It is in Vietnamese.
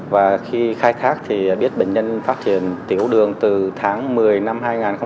và khi khai thác thì biết bệnh nhân phát hiện tiểu đường từ tháng một mươi năm hai nghìn một mươi ba